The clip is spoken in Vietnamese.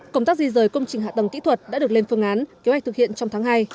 công tác di rời công trình hạ tầng kỹ thuật đã được lên phương án kế hoạch thực hiện trong tháng hai